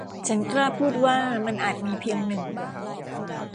ฉันกล้าพูดว่ามันอาจมีเพียงหนึ่ง